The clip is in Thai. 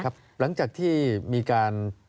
ครับหลังจากที่มีการ